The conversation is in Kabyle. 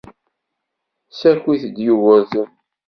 Ssakiɣ-d Yugurten.